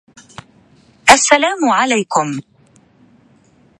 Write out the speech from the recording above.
ووجه كوجه الغول فيه سماجة